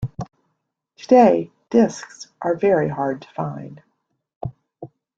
Today, disks are very hard to find.